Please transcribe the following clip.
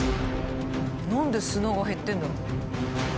何で砂が減ってるんだろう？